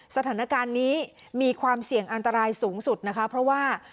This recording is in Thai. สถานการณ์นี้มีความเสี่ยงอันตรายสูงสุดนะคะเพราะว่า